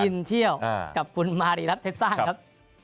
กินเที่ยวกับคุณมารินัทเทซานครับ